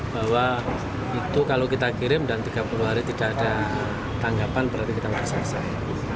bahwa itu kalau kita kirim dan tiga puluh hari tidak ada tanggapan berarti kita tidak selesai